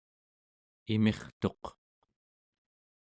imirtuq